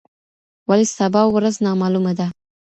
ولي سبا ورځ نامعلومه ده؟